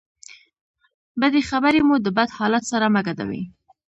بدې خبرې مو د بد حالت سره مه ګډوئ.